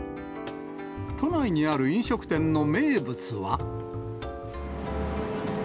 都内にある飲食店の名物は。